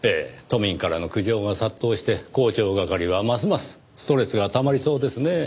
都民からの苦情が殺到して広聴係はますますストレスがたまりそうですねぇ。